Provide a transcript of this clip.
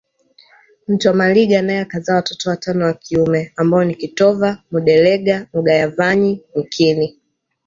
Mtwa Maliga naye akazaa watoto watano wa kiume ambao ni kitova Mudegela Mgayavanyi mkini